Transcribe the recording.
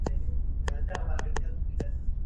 د کلتور ساتني ته به پاملرنه وسي.